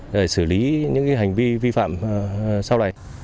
để xử lý những hành vi vi phạm sau này